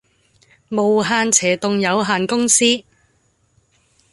無限斜棟有限公司